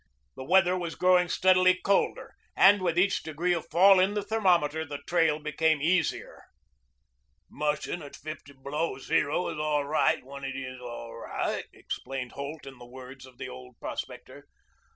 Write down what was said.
The weather was growing steadily colder and with each degree of fall in the thermometer the trail became easier. "Mushing at fifty below zero is all right when it is all right," explained Holt in the words of the old prospector.